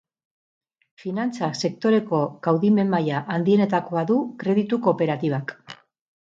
Finantza sektoreko kaudimen maila handienetakoa du kreditu kooperatibak.